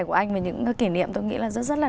của anh và những kỷ niệm tôi nghĩ là rất rất là